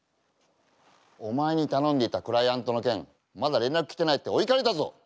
お前に頼んでいたクライアントの件まだ連絡来てないってお怒りだぞ。